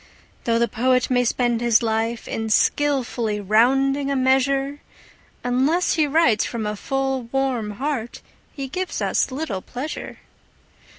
Though the poet may spend his life in skilfully rounding a measure, Unless he writes from a full, warm heart he gives us little pleasure.